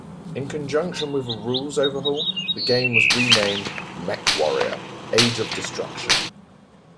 In conjunction with a rules overhaul, the game was renamed "MechWarrior: Age of Destruction".